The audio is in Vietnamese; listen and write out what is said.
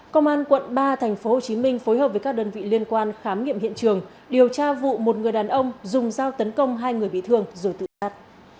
công an quận ba tp hcm phối hợp với các đơn vị liên quan khám nghiệm hiện trường điều tra vụ một người đàn ông dùng dao tấn công hai người bị thương rồi tự sát